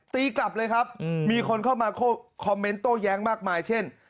ตีกลับเลยครับมีคนเข้ามาคอมเมนต์โต้แย้งมากมายเช่น